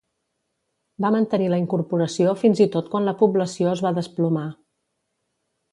Va mantenir la incorporació fins i tot quan la població es va desplomar.